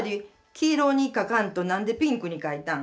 黄色に描かんと何でピンクに描いたん？